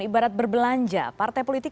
ibarat berbelanja partai politik